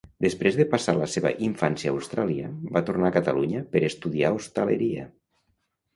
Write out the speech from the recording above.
Després de passar la seva infància a Austràlia, va tornar a Catalunya per estudiar hostaleria.